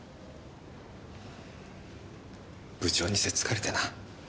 部長にせっつかれてな。